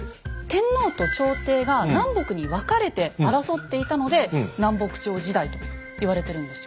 天皇と朝廷が南北に分かれて争っていたので「南北朝時代」と言われてるんですよ。